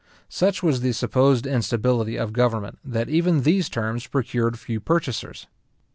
Such was the supposed instability of government, that even these terms procured few purchasers.